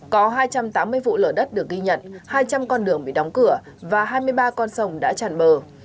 có hai trăm tám mươi vụ lở đất được ghi nhận hai trăm linh con đường bị đóng cửa và hai mươi ba con sông đã chẳng bị bắt